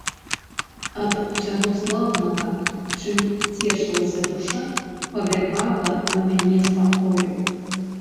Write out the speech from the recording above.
Ад усяго слаўнага, чым цешылася душа, павявала на мяне спакоем.